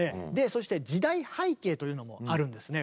そして時代背景というのもあるんですね